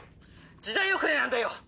時代遅れなんだよ！